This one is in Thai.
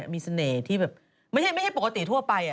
มีเสน่ห์ที่แบบไม่ใช่ปกติทั่วไป